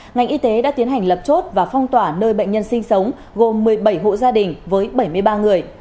ngành y tế đã tiến hành lập chốt và phong tỏa nơi bệnh nhân sinh sống gồm một mươi bảy hộ gia đình với bảy mươi ba người